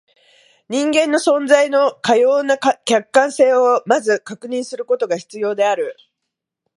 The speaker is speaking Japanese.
人間の存在のかような客観性を先ず確認することが必要である。